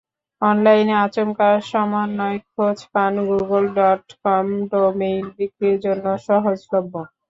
অনলাইনে আচমকা সন্ময় খোঁজ পান গুগল ডটকম ডোমেইন বিক্রির জন্য সহজলভ্য।